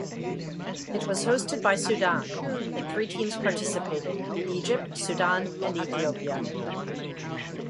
It was hosted by Sudan, and three teams participated: Egypt, Sudan, and Ethiopia.